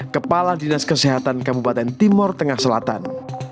kepala dinas kesehatan kabupaten timur tengah selatan